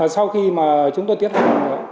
sau khi mà chúng tôi tiết hành